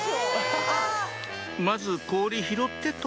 「まず氷拾ってと」